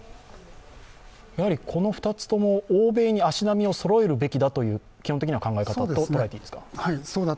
この２つとも、欧米に足並みをそろえるべきだという基本的には考え方と捉えていいですか？